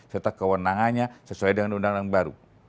serta kewenangannya sesuai dengan undang undang baru